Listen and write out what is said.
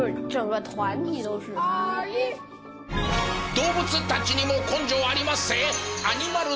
動物たちにも根性ありまっせ！